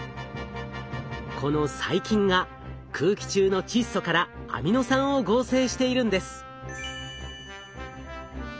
この細菌が空気中の窒素からアミノ酸を合成しているんです。